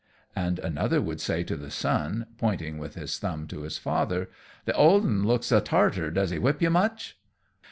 And another would say to the son, pointing with his thumb to his father, "The old 'un looks a tartar; does he whip you much?"